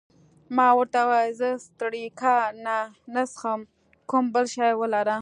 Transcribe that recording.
ما ورته وویل: زه سټریګا نه څښم، کوم بل شی ولره.